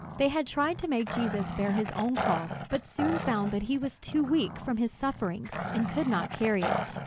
They had tried to make Jesus bear his own cross, but soon found that he was too weak from his sufferings, and could not carry it.